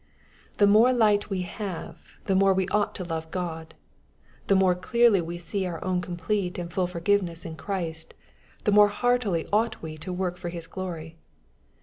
The more light we have, the more we ought to love God. The moie clearly we see our own complete and full forgiveness in Christ, the more heartily ought we to work for His glory.